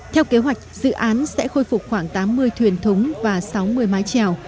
theo kế hoạch dự án sẽ khôi phục khoảng tám mươi thuyền thúng và sáu mươi mái trèo